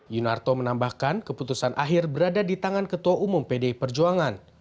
yunarto menambahkan keputusan akhir berada di tangan ketua umum pdi perjuangan